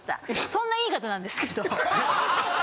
そんないい方なんですけど。